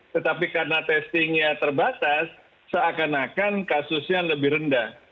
tetapi karena testingnya terbatas seakan akan kasusnya lebih rendah